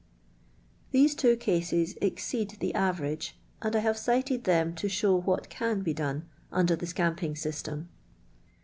These two cases ex ceed the average and I have cited them to show what can be done under the scamping systenk.